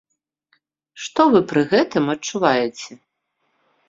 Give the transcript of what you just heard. Што вы пры гэтым адчуваеце?